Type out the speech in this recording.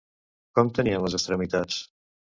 Com tenien les extremitats?